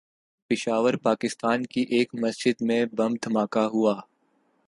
پشاور، پاکستان کی ایک مسجد میں بم دھماکہ ہوا